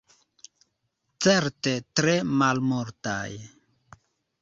Certe tre malmultaj.